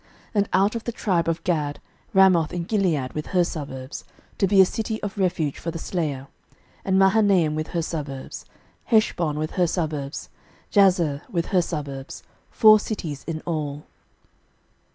06:021:038 And out of the tribe of Gad, Ramoth in Gilead with her suburbs, to be a city of refuge for the slayer; and Mahanaim with her suburbs, 06:021:039 Heshbon with her suburbs, Jazer with her suburbs; four cities in all.